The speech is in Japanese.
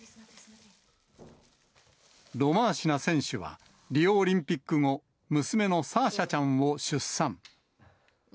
ロマーシナ選手は、リオオリンピック後、娘のサーシャちゃんを出産。